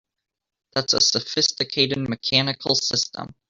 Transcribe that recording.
That's a sophisticated mechanical system!